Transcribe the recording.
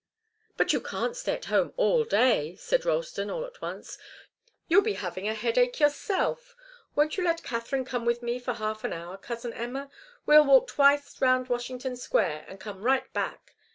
"But you can't stay at home all day," said Ralston, all at once. "You'll be having a headache yourself. Won't you let Katharine come with me for half an hour, cousin Emma? We'll walk twice round Washington Square and come right back.